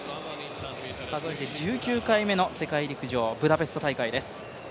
数えて１９回目の世界陸上ブダペスト大会です。